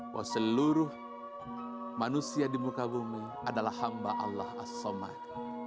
bahwa seluruh manusia di muka bumi adalah hamba allah as somad